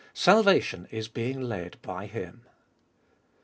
Saluation is being led by Him.